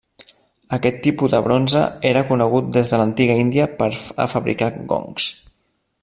Aquest tipus de bronze era conegut des de l'antiga Índia per a fabricar gongs.